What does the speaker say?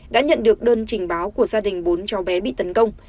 đã nhận được đơn trình báo của gia đình bốn cháu bé bị tấn công